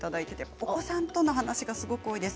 お子さんとの話が多いです。